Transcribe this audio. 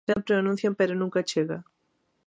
Sempre o anuncian pero nunca chega.